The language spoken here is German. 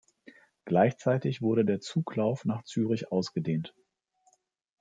Gleichzeitig wurde der Zuglauf nach Zürich ausgedehnt.